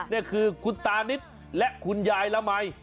นี่คือคุณตานิดและคุณยายละมัย